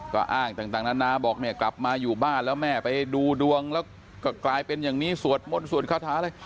ก็อ้างต่างนานาบอกเนี่ยกลับมาอยู่บ้านแล้วแม่ไปดูดวงแล้วก็กลายเป็นอย่างนี้สวดมนต์สวดคาถาอะไร